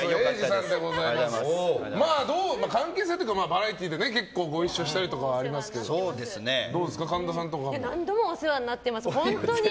関係性というかバラエティーで結構ご一緒したりとかはありますけど何度もお世話になってます。